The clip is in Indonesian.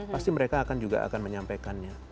pasti mereka akan juga akan menyampaikannya